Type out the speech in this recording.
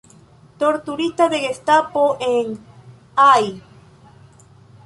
Torturita de gestapo en Al.